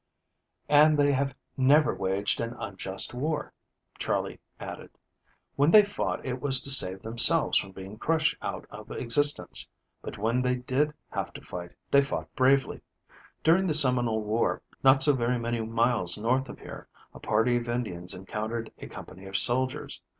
"And they have never waged an unjust war," Charley added. "When they fought it was to save themselves from being crushed out of existence. But, when they did have to fight, they fought bravely. During the Seminole war, not so very many miles north of here, a party of Indians encountered a company of soldiers.